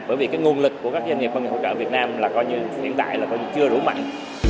bởi vì cái nguồn lực của các doanh nghiệp công nghiệp hỗ trợ việt nam là coi như hiện tại là vẫn chưa đủ mạnh